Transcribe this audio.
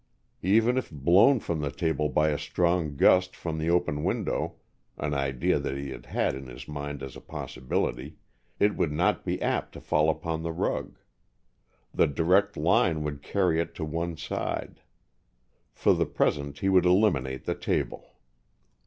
Even if blown from the table by a strong gust from the open window, an idea that he had had in his mind as a possibility, it would not be apt to fall upon the rug. The direct line would carry it to one side. For the present he would eliminate the table.